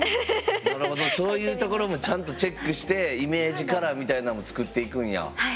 なるほどそういうところもちゃんとチェックしてイメージカラーみたいなんも作っていくんや。